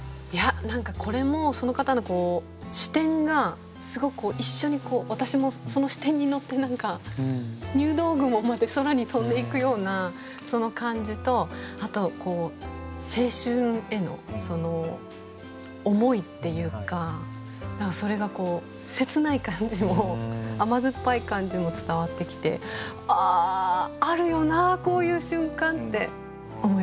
何かこれもその方の視点がすごく一緒にこう私もその視点に乗って何か入道雲まで空に飛んでいくようなその感じとあと青春への思いっていうか何かそれが切ない感じも甘酸っぱい感じも伝わってきて「ああるよなこういう瞬間」って思います。